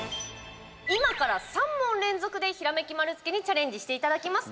今から３問連続でひらめき丸つけにチャレンジしていただきます。